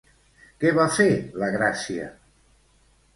Què va fer la Gràcia?